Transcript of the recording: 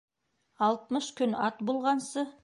Алтмыш көн ат булғансы